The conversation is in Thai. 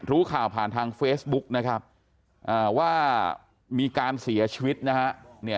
รู้ข่าวผ่านทางเฟซบุ๊กนะครับว่ามีการเสียชีวิตนะฮะ